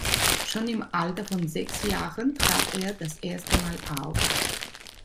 Schon im Alter von sechs Jahren trat er das erste Mal auf.